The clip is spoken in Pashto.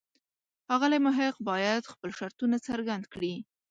ښاغلی محق باید خپل شرطونه څرګند کړي.